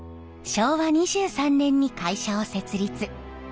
昭和２３年に会社を設立。